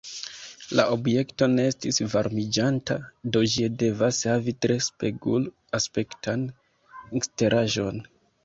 La objekto ne estis varmiĝanta, do ĝi devas havi tre spegul-aspektan eksteraĵon.